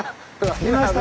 着きました。